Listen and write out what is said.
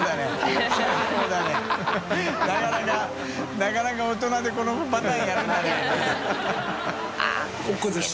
なかなか大人でこのパターンやるんだね。